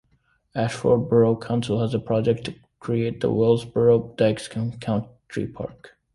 Ashford Borough Council has a project to create the Willesborough Dykes Country Park.